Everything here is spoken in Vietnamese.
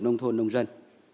nông thôn nông dân